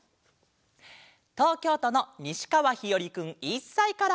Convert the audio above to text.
とうきょうとのにしかわひよりくん１さいから。